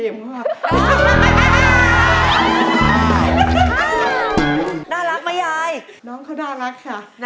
น่ารักนะใหญ่นะน้องเค้าน่ารักค่ะ